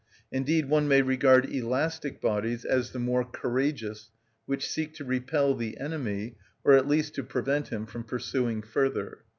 Indeed, one may regard elastic bodies as the more courageous, which seek to repel the enemy, or at least to prevent him from pursuing further.